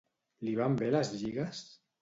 Li van bé les lligues?